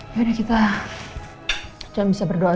yaudah kita dan bisa berdoa